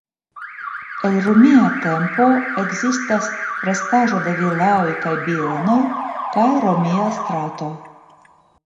El romia tempo ekzistas restaĵoj de vilaoj kaj bienoj kaj romia strato.